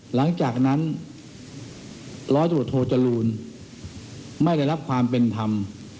หลังจากนั้นร้อยตรวจโทจรูลไม่ได้รับความเป็นธรรม